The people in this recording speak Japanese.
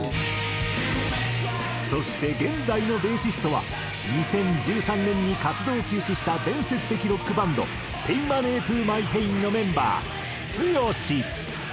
そして現在のベーシストは２０１３年に活動を休止した伝説的ロックバンドＰａｙｍｏｎｅｙＴｏｍｙＰａｉｎのメンバーＴ＄ＵＹＯ＄ＨＩ。